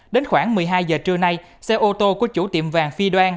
đến khoảng một mươi hai giờ trưa nay xe ô tô của chủ tiệm vàng phi đoan